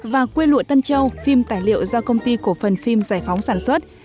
và quê lụa tân châu phim tài liệu do công ty cổ phần phim giải phóng sản xuất